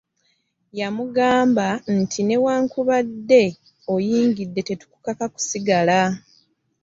Yamugamba nti newankubadde oyingidde tetukukaka kusigala .